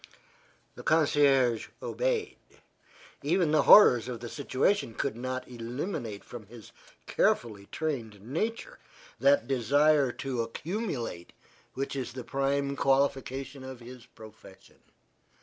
The concierge obeyed. Even the horrors of the situation could not eliminate from his carefully trained nature that desire to accumulate which is the prime qualification of his profession.